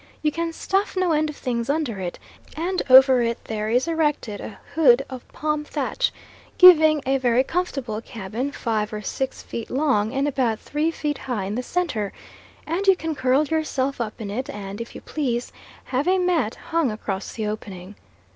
You can stuff no end of things under it; and over it there is erected a hood of palm thatch, giving a very comfortable cabin five or six feet long and about three feet high in the centre, and you can curl yourself up in it and, if you please, have a mat hung across the opening.